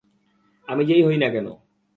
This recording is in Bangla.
আমি যে হই না কেন।